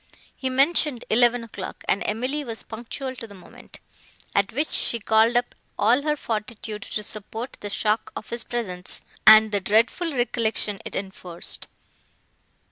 He mentioned eleven o'clock, and Emily was punctual to the moment; at which she called up all her fortitude to support the shock of his presence and the dreadful recollections it enforced.